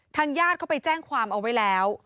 ญาติเขาไปแจ้งความเอาไว้แล้ว